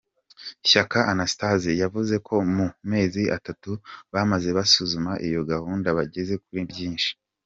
Shyaka Anastase, yavuze ko mu mezi atatu bamaze basuzuma iyo gahunda bageze kuri byinshi.